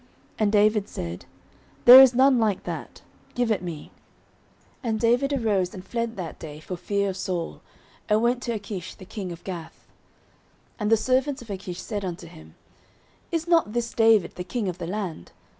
And David said, There is none like that; give it me. 09:021:010 And David arose and fled that day for fear of Saul, and went to Achish the king of Gath. 09:021:011 And the servants of Achish said unto him, Is not this David the king of the land?